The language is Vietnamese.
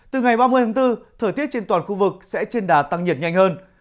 từ ngày ba mươi tháng bốn thời tiết trên toàn khu vực sẽ trên đà tăng nhiệt nhanh hơn